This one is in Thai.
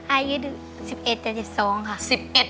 อายุ๑๑๗๒ค่ะ